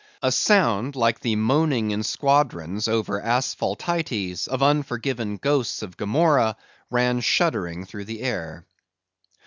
A sound like the moaning in squadrons over Asphaltites of unforgiven ghosts of Gomorrah, ran shuddering through the air.